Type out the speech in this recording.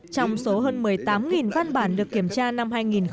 trong số hơn một mươi tám văn bản được kiểm tra năm hai nghìn một mươi tám